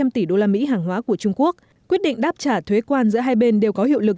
hai trăm linh tỷ đô la mỹ hàng hóa của trung quốc quyết định đáp trả thuế quan giữa hai bên đều có hiệu lực